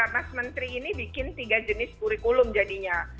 mas menteri ini bikin tiga jenis kurikulum jadinya